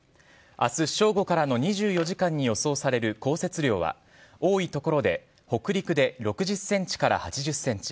明日正午からの２４時間に予想される降雪量は多い所で北陸で６０ｃｍから８０ｃｍ